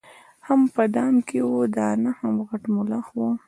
هم په دام کي وه دانه هم غټ ملخ وو